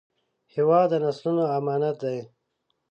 هېواد د نسلونو امانت دی